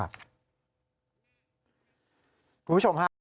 คุณผู้ชมครับ